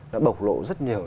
nó bộc lộ rất nhiều